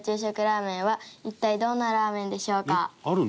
ラーメンは一体どんなラーメンでしょうか？